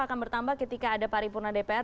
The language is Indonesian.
akan bertambah ketika ada paripurna dpr